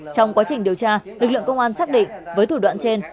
trong quá trình điều tra lực lượng công an xác định với thủ đoạn trên